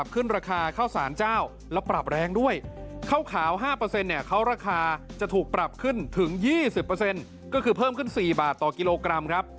เข้าขาว๕เนี่ยเขาราคาจะถูกปรับขึ้นถึง๒๐ก็คือเพิ่มขึ้น๔บาทต่อกิโลกรัมครับ